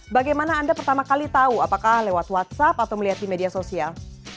bagaimana anda pertama kali tahu apakah lewat whatsapp atau melihat di media sosial